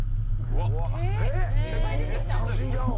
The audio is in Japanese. えっ⁉楽しんじゃおう。